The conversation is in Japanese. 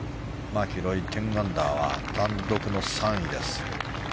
マキロイ、１０アンダーは単独３位です。